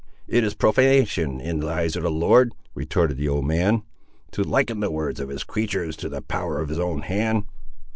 "It is profanation in the eyes of the Lord," retorted the old man, "to liken the works of his creatur's, to the power of his own hand."